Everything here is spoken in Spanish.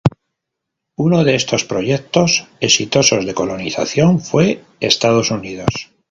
Uno de estos proyectos exitosos de colonización fue Estados Unidos.